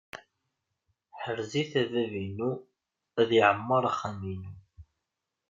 Ḥrez-it a bab-inu, ad yeɛmeṛ uxxam-inu.